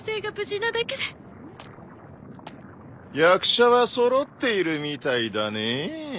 役者は揃っているみたいだねぇ。